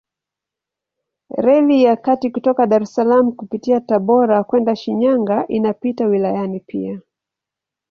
Reli ya kati kutoka Dar es Salaam kupitia Tabora kwenda Shinyanga inapita wilayani pia.